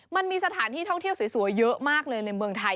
มันมีสถานที่ท่องเที่ยวสวยเยอะมากเลยในเมืองไทย